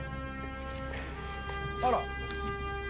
あら。